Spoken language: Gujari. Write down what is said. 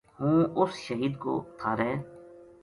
ہوں اس شہید کو تھارے